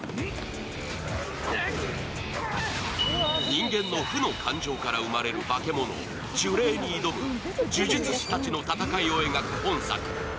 人間の負の感情から生まれる化け物、呪霊に挑む呪術師たちの戦いを描く本作。